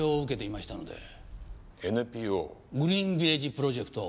ＮＰＯ？グリーンビレッジプロジェクト。